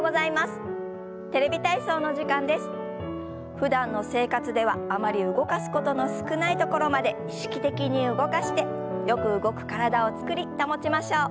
ふだんの生活ではあまり動かすことの少ないところまで意識的に動かしてよく動く体を作り保ちましょう。